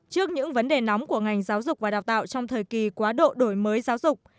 trước những vấn đề nóng của ngành giáo dục và đào tạo trong thời kỳ quá độ đổi mới giáo dục